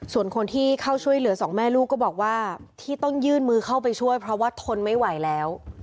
ส่วนคนที่เข้าช่วยเหลือสองแม่ลูกก็บอกว่าที่ต้องยื่นมือเข้าไปช่วยเพราะว่าทนไม่ไหวแล้ว